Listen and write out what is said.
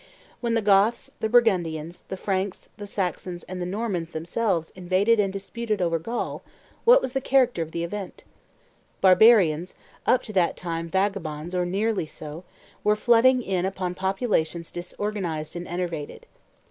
When the Goths, the Burgundians, the Franks, the Saxons, and the Normans themselves invaded and disputed over Gaul, what was the character of the event? Barbarians, up to that time vagabonds or nearly so, were flooding in upon populations disorganized and enervated.